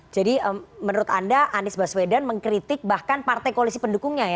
jadi menurut anda anies baswedan mengkritik bahkan partai koalisi pendukungnya ya